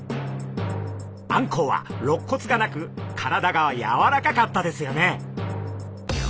あんこうはろっ骨がなく体がやわらかかったですよね。